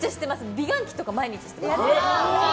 美顔器とか毎日してます。